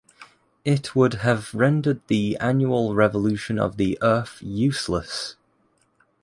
It would have rendered the annual revolution of the Earth useless.